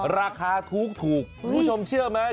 ราคาถูกคุณผู้ชมเชื่อไหม